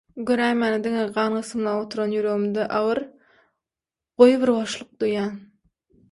Göräýmäne diňe gan gysymlap oturan ýüregimde agyr, goýy bir boşluk duýýan.